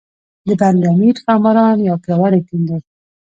د بند امیر ښاماران یو پیاوړی ټیم دی.